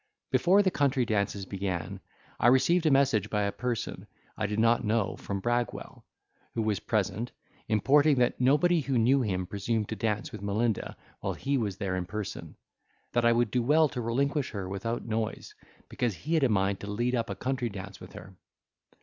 Before the country dances began, I received a message by a person I did not know from Bragwell, who was present, importing that nobody who knew him presumed to dance with Melinda while he was there in person, that I would do well to relinquish her without noise, because he had a mind to lead up a country dance with her.